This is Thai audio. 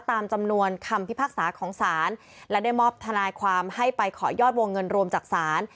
ตามจำนวนคำพิพากษาของศาลและได้มอบทนายความให้ไปขอยอดวงเงินรวมจากศาล